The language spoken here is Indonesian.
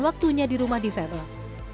dan waktunya di rumah divabel